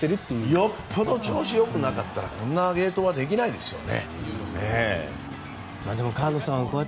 よっぽど調子よくなかったらこんな芸当はできないですよね。